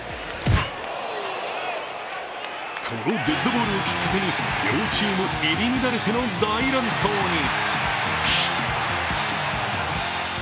このデッドボールをきっかけに両チーム入り乱れての大乱闘に。